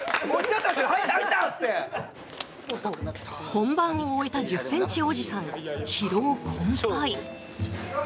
本番を終えた１０ｃｍおじさん疲労困ぱい。